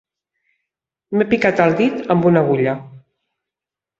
M'he picat el dit amb una agulla.